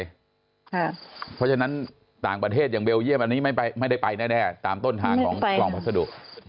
เพราะฉะนั้นต่างประเทศอย่างเบลเยี่ยมอันนี้ไม่ได้ไปแน่ตามต้นทางของกล่องพัสดุ